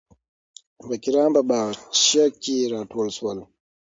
فقیران په باغچه کې راټول شول.